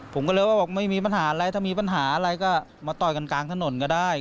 ผมก็เลยว่าบอกไม่มีปัญหาอะไรถ้ามีปัญหาอะไรก็มาต่อยกันกลางถนนก็ได้